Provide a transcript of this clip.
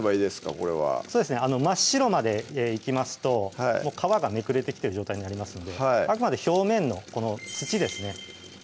これは真っ白までいきますと皮がめくれてきてる状態になりますのであくまで表面のこの土ですね